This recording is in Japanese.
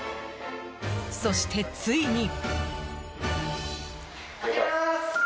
そして、ついに。